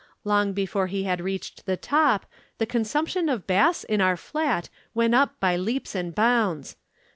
Long before he had reached the top the consumption of Bass in our flat went up by leaps and bounds.